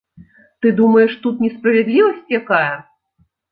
Ты думаеш, тут несправядлівасць якая?